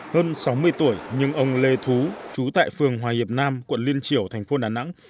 hơn sáu mươi tuổi nhưng ông lê thú trú tại phường hòa hiệp nam quận liên triểu thành phố đà nẵng